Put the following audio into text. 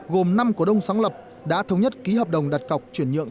gồm năm cổ đông sáng lập đã thống nhất ký hợp đồng đặt cọc chuyển nhượng